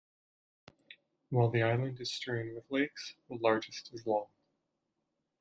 While the island is strewn with lakes, the largest is long.